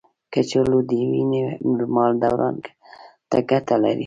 کچالو د وینې نورمال دوران ته ګټه لري.